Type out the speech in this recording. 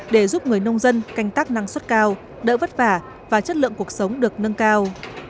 để giúp người nông dân canh tác năng suất cao đỡ vất vả và chất lượng cuộc sống được nâng cao